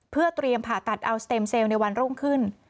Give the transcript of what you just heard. เพื่อเตรียมผ่าตัดเอาสเต็มเซลล์ในวันรุ่งขึ้น